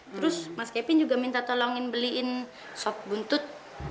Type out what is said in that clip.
terus mas kevin juga minta tolongin beliin sop buntut